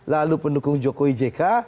lalu pendukung jokowi jk